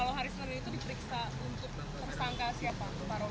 kalau hari senin itu diperiksa untuk tersangka siapa